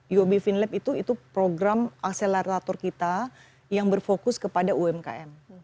uob vinlap itu program akselerator kita yang berfokus kepada umkm